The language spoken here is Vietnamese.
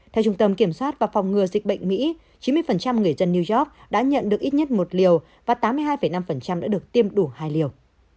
theo trung tâm kiểm soát và phòng ngừa dịch bệnh mỹ chín mươi người dân new york đã nhận được ít nhất một liều và tám mươi hai năm đã được tiêm đủ hai liều